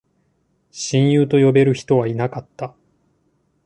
親友と呼べる人はいなかった